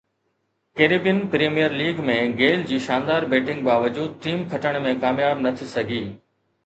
Caribbean premier league ۾ Gayle جي شاندار batting باوجود ٽيم کٽڻ ۾ ڪامياب نه ٿي سگهي